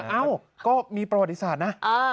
เอ้าก็มีประวัติศาสตร์นะ